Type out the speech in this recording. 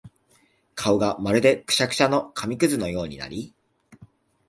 顔がまるでくしゃくしゃの紙屑のようになり、